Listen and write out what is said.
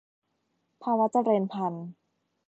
ภาวะเจริญพันธุ์